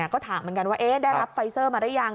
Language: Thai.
ก็ถามเหมือนกันว่าได้รับไฟเซอร์มาหรือยัง